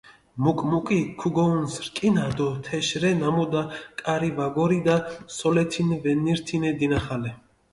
მუკ-მუკი ქუგუჸუნს რკინა დო თეშ რე ნამუდა, კარი ვაგორიდა სოლეთინ ვემნირთე დინახალე.